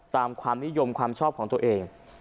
ความนิยมความชอบของตัวเอง